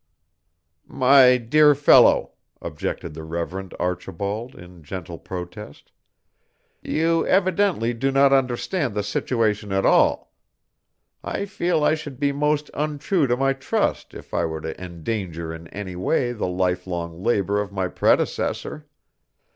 "My dear fellow," objected the Reverend Archibald in gentle protest, "you evidently do not understand the situation at all. I feel I should be most untrue to my trust if I were to endanger in any way the life long labor of my predecessor.